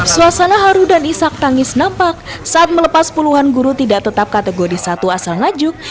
suasana haru dan isak tangis nampak saat melepas puluhan guru tidak tetap kategori satu asal ngajuk